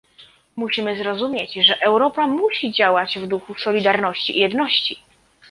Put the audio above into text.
Musimy zrozumieć, że Europa musi działać w duchu solidarności i jedności